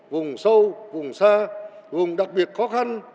vùng sâu vùng xa vùng đặc biệt khó khăn